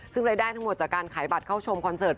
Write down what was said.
ซึ่งรายได้ทั้งหมดจากการขายบัตรเข้าชมคอนเสิร์ต